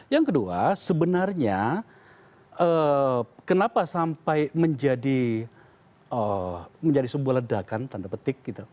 yang kedua sebenarnya kenapa sampai menjadi sebuah ledakan tanda petik